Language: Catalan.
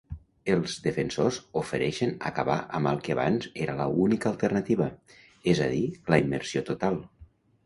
Els defensors ofereixen acabar amb el que abans era la única alternativa, és a dir, la immersió total.